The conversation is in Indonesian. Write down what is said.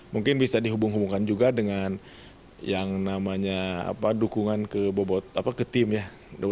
mungkin bisa dihubung hubungkan juga dengan yang namanya dukungan ke bobot ke tim ya